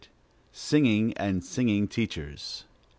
SINGING AND SINGING TEACHERS.